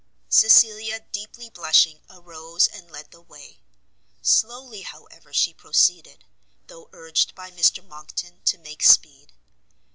Cecilia, deeply blushing, arose and led the way; slowly, however, she proceeded, though urged by Mr Monckton to make speed.